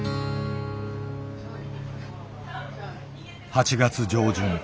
８月上旬。